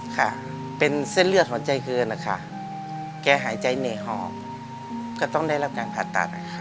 ค่ะเป็นเส้นเลือดของใจเกินอะค่ะแกหายใจเนหอมก็ต้องได้รับการผ่าตัดอะค่ะ